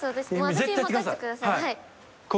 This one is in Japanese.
私に任せてください。